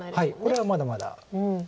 これはまだまだ。